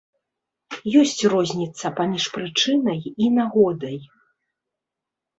Ёсць розніца паміж прычынай і нагодай.